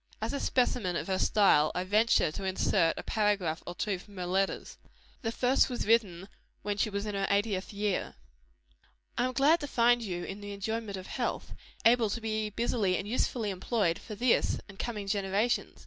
As a specimen of her style, I venture to insert a paragraph or two from her letters. The first was written when she was in her eightieth year. "I am glad to find you in the enjoyment of health able to be busily and usefully employed for this and coming generations.